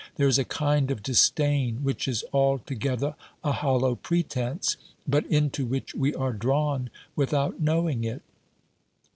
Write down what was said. There is a kind of disdain which is altogether a hollow pretence, but into which we are drawn without knowing it.